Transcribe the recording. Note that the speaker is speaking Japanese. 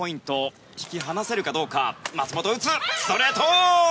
ストレート！